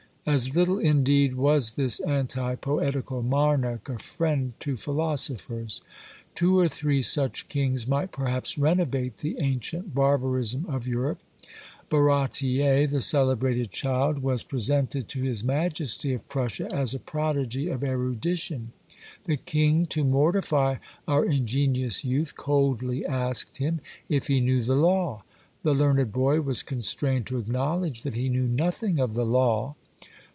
As little indeed was this anti poetical monarch a friend to philosophers. Two or three such kings might perhaps renovate the ancient barbarism of Europe. Barratier, the celebrated child, was presented to his majesty of Prussia as a prodigy of erudition; the king, to mortify our ingenious youth, coldly asked him, "If he knew the law?" The learned boy was constrained to acknowledge that he knew nothing of the law.